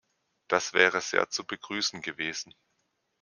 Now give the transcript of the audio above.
Das wäre sehr zu begrüßen gewesen.